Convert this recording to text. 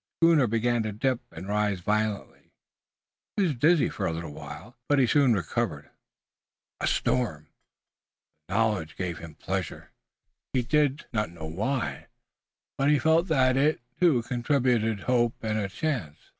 The schooner began to dip and rise violently. He was dizzy for a little while, but he soon recovered. A storm! The knowledge gave him pleasure. He did not know why, but he felt that it, too, contributed hope and a chance.